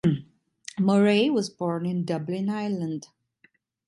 Murray was born in Dublin, Ireland.